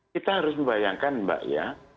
kita harus membayangkan mbak ya